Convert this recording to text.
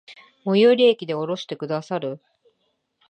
最寄駅で降ろしてくださる？